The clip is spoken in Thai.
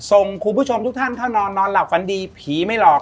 ส่งคุณผู้ชมทุกท่านเข้านอนนอนหลับฝันดีผีไม่หลอก